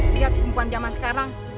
lihat perempuan jaman sekarang